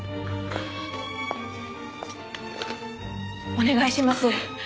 お願いします。